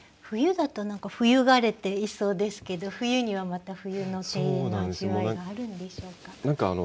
冬だと何か冬枯れていそうですけど冬にはまた冬の庭園の味わいがあるんでしょうか。